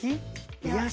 癒やし？